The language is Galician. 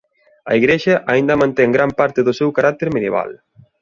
A igrexa aínda mantén gran parte do seu carácter medieval.